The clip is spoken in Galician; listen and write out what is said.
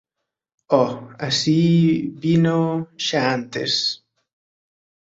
Oh, así… Vino… Xa antes…